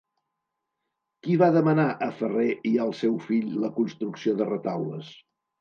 Qui va demanar a Ferrer i al seu fill la construcció de retaules?